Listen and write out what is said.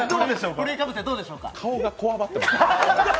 得顔がこわばっています。